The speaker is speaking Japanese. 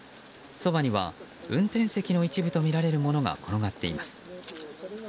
そばには運転席の一部とみられるものが転がっています。